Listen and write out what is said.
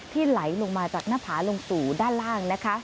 ไหลลงมาจากหน้าผาลงสู่ด้านล่างนะคะ